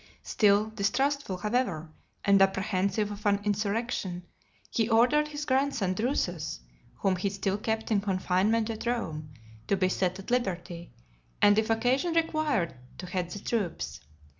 Still distrustful, however, and apprehensive of an insurrection, he ordered his grandson, Drusus, whom he still kept in confinement at Rome, to be set at liberty, and if occasion required, to head the troops.